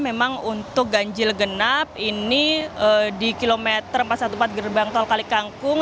memang untuk ganjil genap ini di kilometer empat ratus empat belas gerbang tol kalikangkung